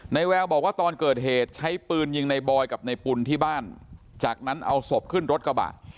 แววบอกว่าตอนเกิดเหตุใช้ปืนยิงในบอยกับในปุ่นที่บ้านจากนั้นเอาศพขึ้นรถกระบะ